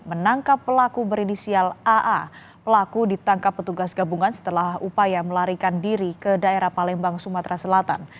menangkap pelaku berinisial aa pelaku ditangkap petugas gabungan setelah upaya melarikan diri ke daerah palembang sumatera selatan